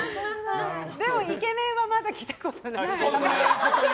でもイケメンはまだ来たことがない。